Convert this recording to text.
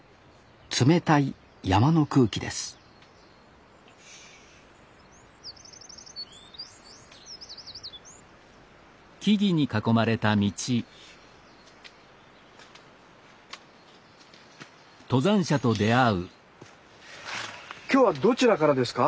冷たい山の空気です今日はどちらからですか？